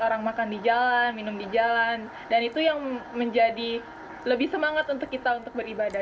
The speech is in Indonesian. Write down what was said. orang makan di jalan minum di jalan dan itu yang menjadi lebih semangat untuk kita untuk beribadah